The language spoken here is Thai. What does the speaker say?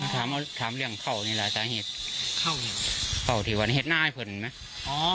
ถามเรื่องเข้าเนี้ยล่ะจ๊ะเหตุเข้าที่วันเฮ็ดหน้าให้ผลไหม